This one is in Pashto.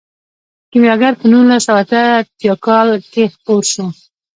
کیمیاګر په نولس سوه اته اتیا کې خپور شو.